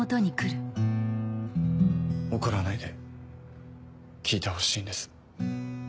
怒らないで聞いてほしいんです。